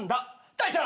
大ちゃん！